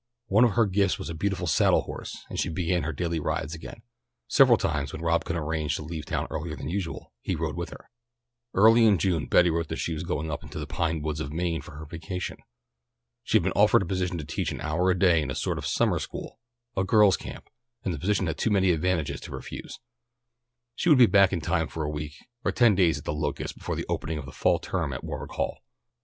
One of her gifts was a beautiful saddle horse, and she began her daily rides again. Several times when Rob could arrange to leave town earlier than usual he rode with her. Early in June Betty wrote that she was going up into the pine woods of Maine for her vacation. She had been offered a position to teach an hour a day in a sort of summer school, a girls' camp, and the position had too many advantages to refuse. She would be back in time for a week or ten days at The Locusts before the opening of the fall term at Warwick Hall.